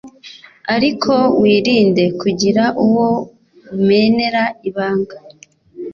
ariko wirinde kugira uwo umenera ibanga